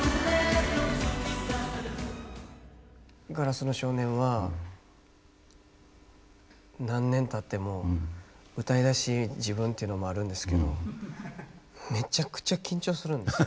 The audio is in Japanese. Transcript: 「硝子の少年」は何年たっても歌いだし自分っていうのもあるんですけどめちゃくちゃ緊張するんですよ。